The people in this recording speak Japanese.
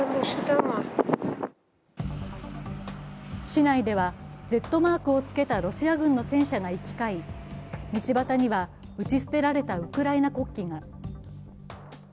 市内ではＺマークをつけたロシア軍の戦車が行き交い、道端には、打ち捨てられたウクライナ国旗が。